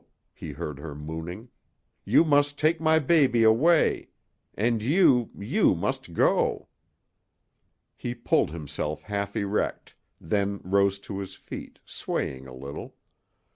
he heard her mooning. "You must take my baby away. And you you must go!" He pulled himself half erect, then rose to his feet, swaying a little.